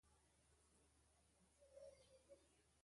Â lɔ́ ú kítūm chè.